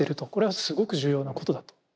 これはすごく重要なことだと。